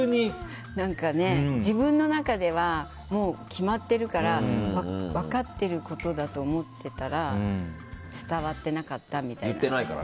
自分の中では決まってるから分かってることだと思ってたら伝わってなかったみたいな。